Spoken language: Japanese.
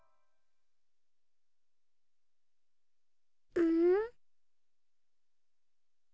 うん？